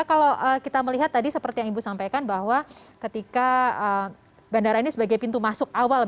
kalau kita melihat tadi seperti yang ibu sampaikan bahwa ketika bandara ini sebagai pintu masuk awal